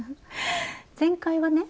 前回はね